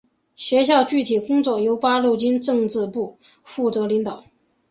学校的具体工作由八路军政治部负责领导。